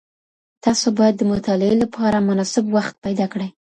تاسو بايد د مطالعې لپاره مناسب وخت پيدا کړئ.